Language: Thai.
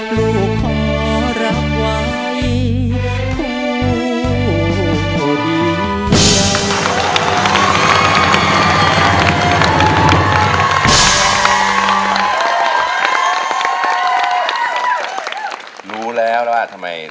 ลูกขอรับไว้